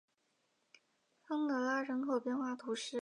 桑德拉人口变化图示